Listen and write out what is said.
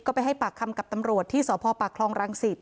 ก็ไปให้ปากคำกับตำรวจที่สพปากคลองรังสิต